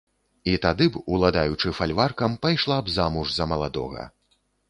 І тады б, уладаючы фальваркам, пайшла б замуж за маладога.